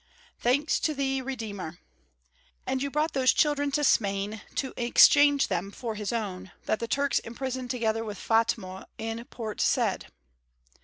"Thanks to thee, Redeemer." "And you brought those children to Smain to exchange them for his own, that the Turks imprisoned together with Fatma in Port Said."